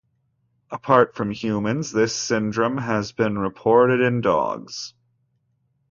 Apart from humans, this syndrome has been reported in dogs.